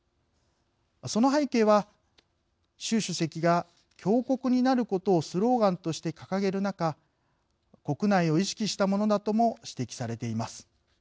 その背景は習主席が強国になることをスローガンとして掲げる中国内を意識したものだとも指摘されています。